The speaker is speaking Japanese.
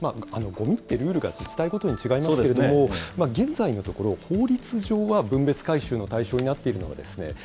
ごみってルールが自治体ごとに違いますけれども、現在のところ、法律上は分別回収の対象になっているんですね。